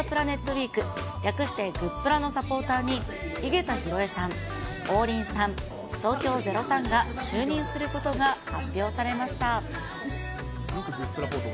ウィーク、略してグップラのサポーターに井桁弘恵さん、王林さん、東京０３が就任することが発表されました。